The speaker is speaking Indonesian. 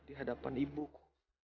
di hadapan ibuku